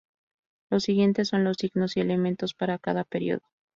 Los siguientes son los signos y elementos para cada periodo.